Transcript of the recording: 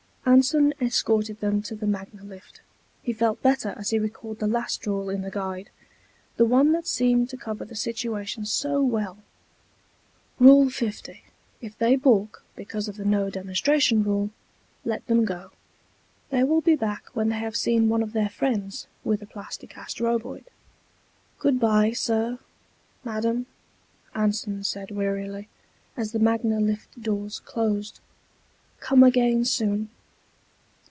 Anson escorted them to the Magna lift. He felt better as he recalled the last rule in the Guide, the one that seemed to cover the situation so well: _Rule 50: If they balk because of the no demonstration rule, let them go. They will be back when they have seen one of their friends with a Plasti Cast Roboid._ "Good bye, Sir; Madam," Anson said wearily, as the Magna lift doors closed. "Come again soon."